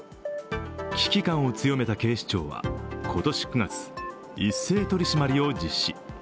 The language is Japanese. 危機感を強めた警視庁は今年９月、一斉取り締まりを実施。